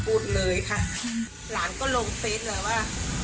พูดเลยค่ะหลานก็ลงเฟสเลยว่า